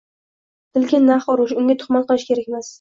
Tilga nah urish, unga tuhmat qilish kerakmas